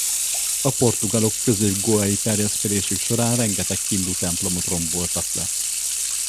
A portugálok közép-goai terjeszkedésük során rengeteg hindu templomot romboltak le.